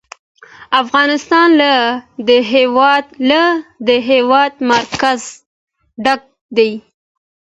افغانستان له د هېواد مرکز ډک دی.